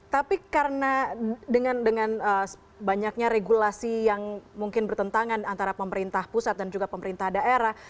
tapi karena dengan banyaknya regulasi yang mungkin bertentangan antara pemerintah pusat dan juga pemerintah daerah